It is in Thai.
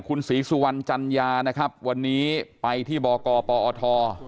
คุณศรีสุวรรณจัญญานะครับวันนี้ไปที่บกปอท